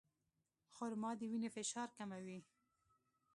خرما د وینې فشار کموي.